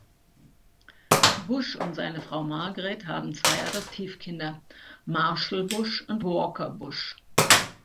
Bush und seine Frau Margaret haben zwei Adoptivkinder, Marshall Bush und Walker Bush.